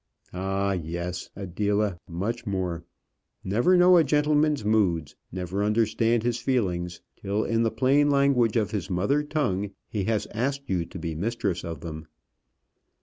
Ah! yes, Adela, much more! Never know a gentleman's moods, never understand his feelings till, in the plain language of his mother tongue, he has asked you to be mistress of them.